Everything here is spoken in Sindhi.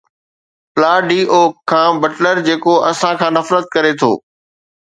پلا ڊي اوڪ کان بٽلر، جيڪو اسان کان نفرت ڪري ٿو